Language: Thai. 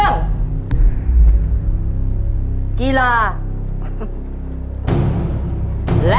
สองนาทีสี่สิบห้าวินาที